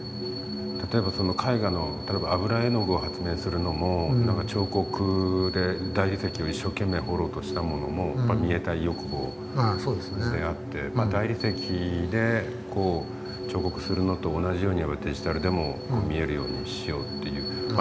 例えば絵画の油絵の具を発明するのも彫刻で大理石を一生懸命彫ろうとしたものもやっぱり見えたい欲望であって大理石で彫刻するのと同じようにデジタルでも見えるようにしようって。